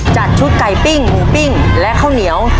จัดชุดไก่ปิ้งหมูปิ้งและข้าวเหนียว